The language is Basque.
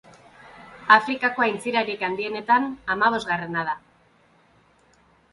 Afrikako aintzirarik handienetan hamabosgarrena da.